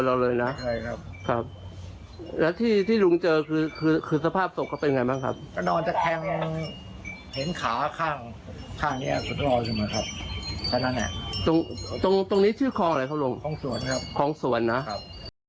ตรงนี้ชื่อครองอะไรครับครองสวนนะครับ